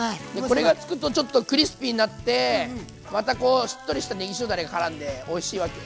これがつくとちょっとクリスピーになってまたこうしっとりしたねぎ塩だれがからんでおいしいわけ。